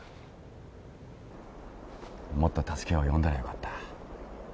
もっと助けを呼んだらよかった。